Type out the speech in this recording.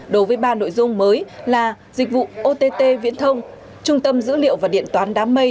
đối với ba nội dung mới là dịch vụ ott viễn thông trung tâm dữ liệu và điện toán đám mây